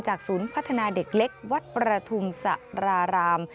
จากศูนย์พัฒนาเด็กเล็กวัดประธุมศรรราม